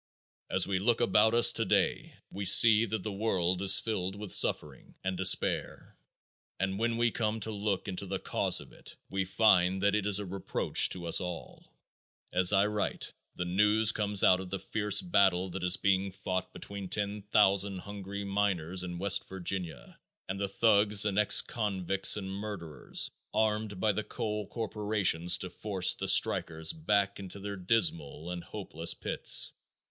As we look about us today we see that the world is filled with suffering and despair and when we come to look into the cause of it we find that it is a reproach to us all. As I write the news comes of the fierce battle that is being fought between ten thousand hungry miners in West Virginia and the thugs and ex convicts and murderers armed by the coal corporations to force the strikers back into their dismal and hopeless pits.